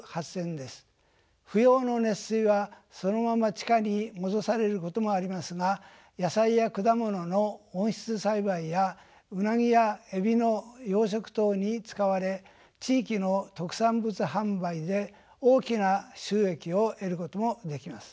不要の熱水はそのまま地下に戻されることもありますが野菜や果物の温室栽培やウナギやエビの養殖等に使われ地域の特産物販売で大きな収益を得ることもできます。